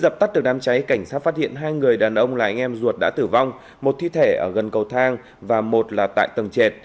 phát hiện hai người đàn ông là anh em ruột đã tử vong một thi thể ở gần cầu thang và một là tại tầng chệt